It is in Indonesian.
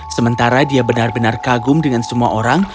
sementara dia benar benar kagum dengan semua orang